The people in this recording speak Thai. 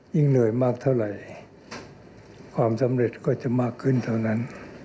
เหนื่อยมากเท่าไหร่ความสำเร็จก็จะมากขึ้นเท่านั้น